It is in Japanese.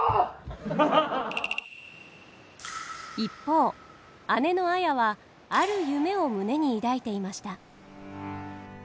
一方姉の綾はある夢を胸に抱いていました。